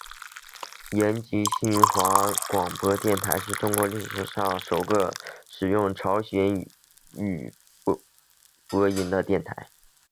延吉新华广播电台是中国历史上首个使用朝鲜语播音的电台。